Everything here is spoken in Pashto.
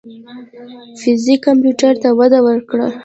فزیک کمپیوټر ته وده ورکړه.